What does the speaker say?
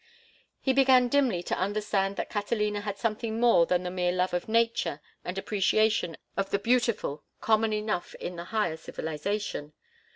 He began dimly to understand that Catalina had something more than the mere love of nature and appreciation of the beautiful common enough in the higher civilization.